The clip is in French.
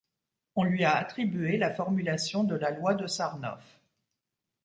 On lui a attribué la formulation de la loi de Sarnoff.